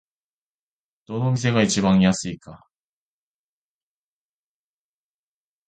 どの店が一番安いか